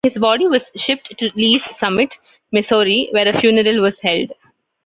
His body was shipped to Lee's Summit, Missouri where a funeral was held.